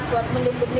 buat tambahan belajar ya